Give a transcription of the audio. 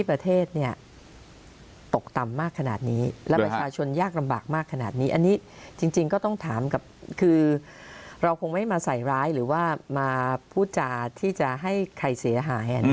อันนี้จริงก็ต้องถามกับคือเราคงไม่มาใส่ร้ายหรือว่ามาพูดจาที่จะให้ใครเสียหาย